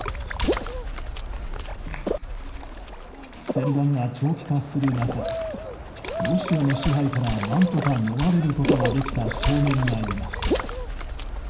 戦乱が長期化する中ロシアの支配から何とか逃れることができた少年がいます。